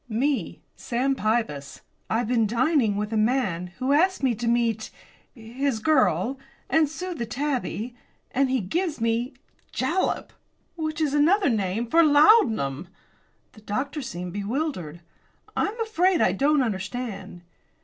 "Me, Sam Pybus. I've been dining with a man, who asked me to meet his girl and smooth the tabby and he gives me jalap, which is another name for laudanum." The doctor seemed bewildered. "I am afraid I don't understand."